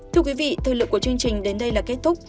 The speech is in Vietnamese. thưa quý vị thời lượng của chương trình đến đây là kết thúc